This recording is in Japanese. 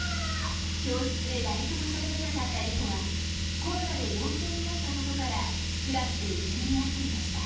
教室で誰ともしゃべらなかったリコはコロナで陽性になったことからクラスでいじめにあっていました。